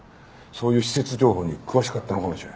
そういう施設情報に詳しかったのかもしれん。